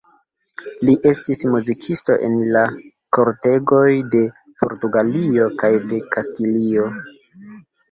Li estis muzikisto en la kortegoj de Portugalio kaj de Kastilio.